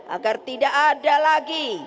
agar tidak ada lagi